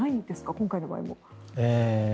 今回の場合も。